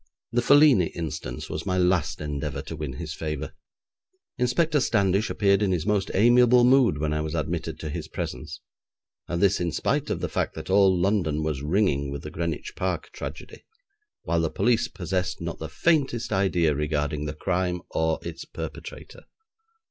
The Felini instance was my last endeavour to win his favour. Inspector Standish appeared in his most amiable mood when I was admitted to his presence, and this in spite of the fact that all London was ringing with the Greenwich Park tragedy, while the police possessed not the faintest idea regarding the crime or its perpetrator.